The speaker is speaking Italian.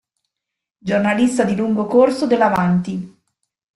Giornalista di lungo corso dell"'Avanti!